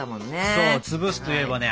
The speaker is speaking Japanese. そうつぶすといえばね